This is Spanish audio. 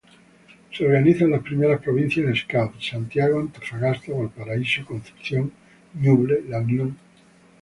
Se organizan las primeras Provincias Scouts: Santiago, Antofagasta, Valparaíso, Concepción, Ñuble, La Unión.